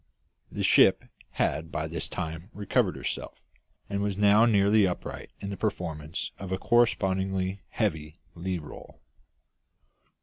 The ship had by this time recovered herself, and was now nearly upright in the performance of a correspondingly heavy lee roll.